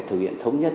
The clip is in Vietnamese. thực hiện thống nhất